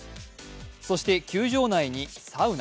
そして球場内にサウナ。